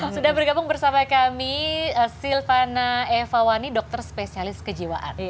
sudah bergabung bersama kami silvana evawani dokter spesialis kejiwaan